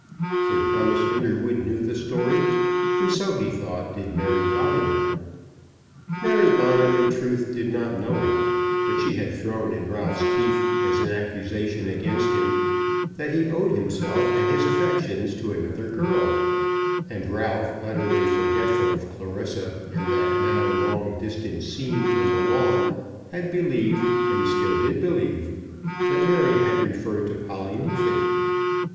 Sir Thomas Underwood knew the story; and so, he thought, did Mary Bonner. Mary Bonner, in truth, did not know it; but she had thrown in Ralph's teeth, as an accusation against him, that he owed himself and his affections to another girl; and Ralph, utterly forgetful of Clarissa and that now long distant scene on the lawn, had believed, and still did believe, that Mary had referred to Polly Neefit.